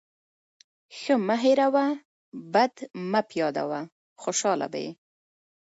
ښه مه هېروه، بد مه پیاده وه. خوشحاله به يې.